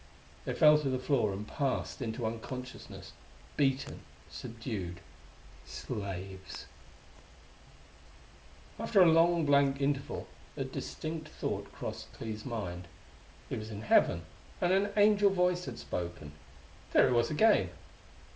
They fell to the floor and passed into unconsciousness beaten, subdued. Slaves.... After a long blank interval a distinct thought crossed Clee's mind. He was in heaven, and an angel voice had spoken. There it was again!